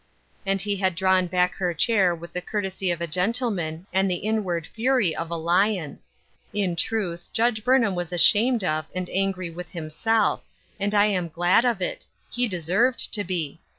And he had drawn back her chair \\dth the coui'tesy of a gentleman and the inward fury of a lion. In truth, Judge Burnham was ashamed of and angry with him self, and I am glad of it ; he deserved to be.